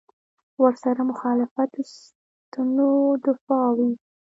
ورسره مخالفت سنتونو دفاع وي.